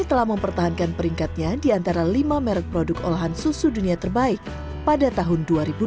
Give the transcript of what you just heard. telah mempertahankan peringkatnya di antara lima merek produk olahan susu dunia terbaik pada tahun dua ribu dua puluh